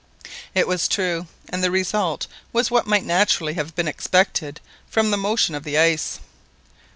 It was true, and the result was what might naturally have been expected from the motion of the ice.